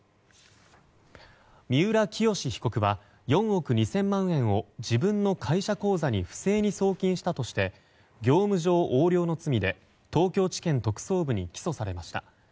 三浦清志被告は４億２０００万円を自分の会社口座に不正に送金したとして業務上横領の罪で東京地検特捜部に起訴されました。